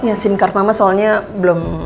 ya sim card mama soalnya belum